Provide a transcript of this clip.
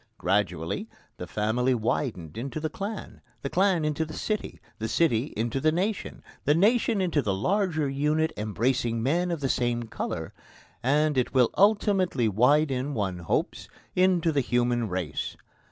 Gradually, the family widened into the clan, the clan into the city, the city into the nation, the nation into the larger unit embracing men of the same colour, and it will ultimately widen, one hopes, into the human race.